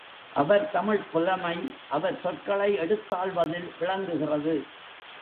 அவர் தமிழ்ப் புலமை அவர் சொற்களை எடுத்தாள்வதில் விளங்குகிறது.